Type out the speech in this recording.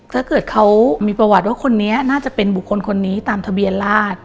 ถ้าเกิดเขามีประวัติว่าคนนี้น่าจะเป็นบุคคลคนนี้ตามทะเบียนราช